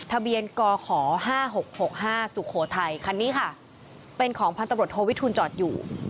ทะเบียนกข๕๖๖๕สุโขทัยคันนี้ค่ะเป็นของพันตำรวจโทวิทูลจอดอยู่